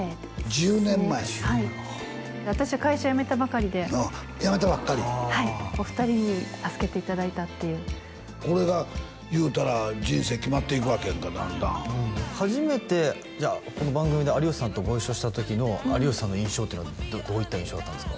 １０年前はい私会社辞めたばかりで辞めたばっかりはいお二人に助けていただいたっていうこれがいうたら人生決まっていくわけやんかだんだん初めてこの番組で有吉さんとご一緒した時の有吉さんの印象っていうのはどういった印象だったんですか？